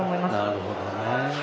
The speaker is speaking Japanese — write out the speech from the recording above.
なるほどね。